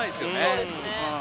そうですね